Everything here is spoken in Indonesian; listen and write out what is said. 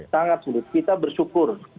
sangat sulit kita bersyukur